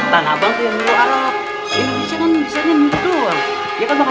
tanabang tuh yang nuru arab